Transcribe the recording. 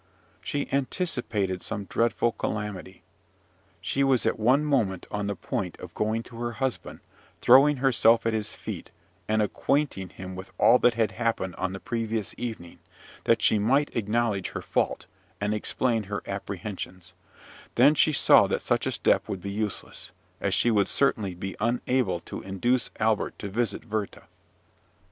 She anticipated some dreadful calamity. She was at one moment on the point of going to her husband, throwing herself at his feet, and acquainting him with all that had happened on the previous evening, that she might acknowledge her fault, and explain her apprehensions; then she saw that such a step would be useless, as she would certainly be unable to induce Albert to visit Werther.